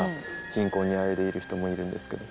貧困にあえいでいる人もいるんですけど。